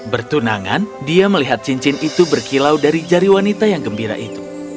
bertunangan dia melihat cincin itu berkilau dari jari wanita yang gembira itu